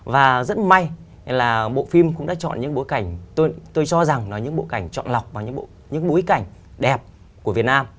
và rất may là bộ phim cũng đã chọn những bối cảnh tôi cho rằng là những bộ cảnh chọn lọc vào những bối cảnh đẹp của việt nam